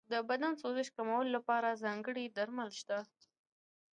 د بدن د سوزش کمولو لپاره ځانګړي درمل شته.